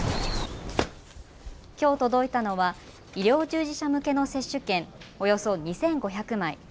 きょう届いたのは医療従事者向けの接種券およそ２５００枚。